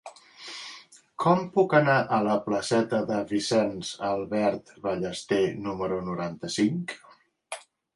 Com puc anar a la placeta de Vicenç Albert Ballester número noranta-cinc?